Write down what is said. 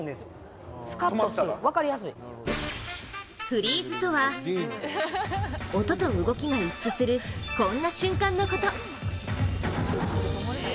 フリーズとは、音と動きが一致するこんな瞬間のこと。